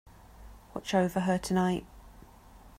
Watch over her tonight.